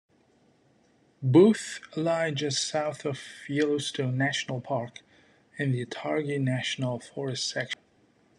Both lie just south of Yellowstone National Park, in the Targhee National Forest section.